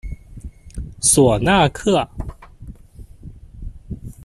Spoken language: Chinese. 索纳克。